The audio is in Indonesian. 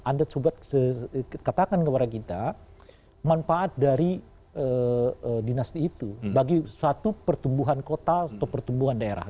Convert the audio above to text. anda coba katakan kepada kita manfaat dari dinasti itu bagi suatu pertumbuhan kota atau pertumbuhan daerah